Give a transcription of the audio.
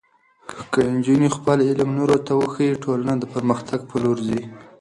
کله چې نجونې خپل علم نورو ته وښيي، ټولنه د پرمختګ په لور ځي.